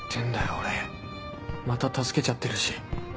俺また助けちゃってるし